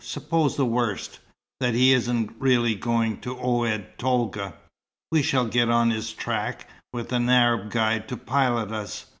Suppose the worst that he isn't really going to Oued Tolga. We shall get on his track, with an Arab guide to pilot us.